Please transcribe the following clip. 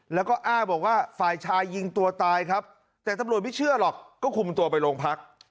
แล้วก็อ้างบอกว่าฝ่ายชายยิงตัวตายครับแต่ตำรวจไม่เชื่อหรอกก็คุมตัวไปโรงพัก